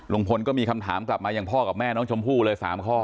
ลุงพลก็มีคำถามกลับมาอย่างพ่อกับแม่น้องชมพู่เลย๓ข้อ